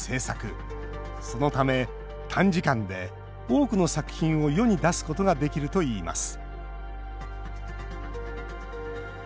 そのため、短時間で多くの作品を世に出すことができるといいます